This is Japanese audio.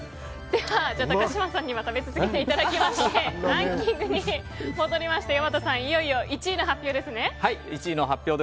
では高嶋さんには食べ続けていただいてランキングに戻りまして大和さんいよいよ１位の発表ですね。